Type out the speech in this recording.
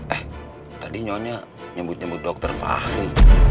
eh tadi nyonya nyebut nyebut dokter fahru